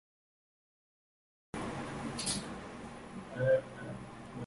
Tafadhali heshimu kazi yangu